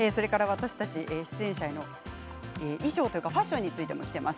私たち出演者へのファッションについてもきています。